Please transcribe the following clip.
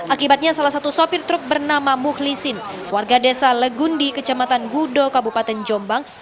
akibatnya salah satu sopir truk bernama muhlisin warga desa legundi kecamatan gudo kabupaten jombang